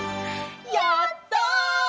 やった！